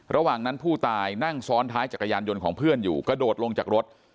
ระหว่างนั้นผู้ตายนั่งซ้อนท้ายจักรยานยนต์ของเพื่อนอยู่กระโดดลงจากรถ